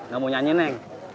gak mau nyanyi neng